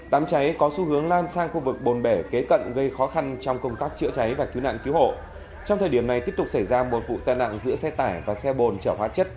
đám cháy có xu hướng lan sang khu vực bồn bể kế cận gây khó khăn trong công tác chữa cháy và cứu nạn cứu hộ